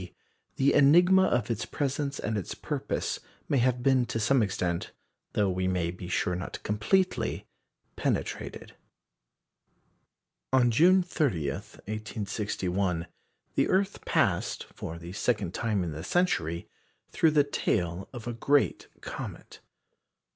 D., the enigma of its presence and its purpose may have been to some extent though we may be sure not completely penetrated. On June 30, 1861, the earth passed, for the second time in the century, through the tail of a great comet.